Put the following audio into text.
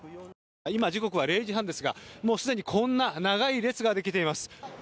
今、時刻は０時半ですがもう既にこんな長い行列ができています。